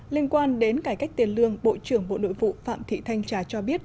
liên quan đến cải cách tiền lương bộ trưởng bộ nội vụ phạm thị thanh trà cho biết